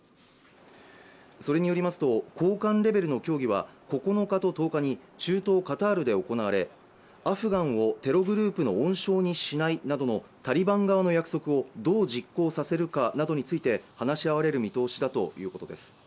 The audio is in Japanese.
それによりますと高官レベルの協議は９日と１０日に中東カタールで行われアフガンをテログループの温床にしないなどのタリバン側の約束をどう実行させるかなどについて話し合われる見通しだということです